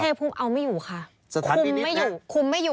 ชายภูมิเอาไม่อยู่ค่ะ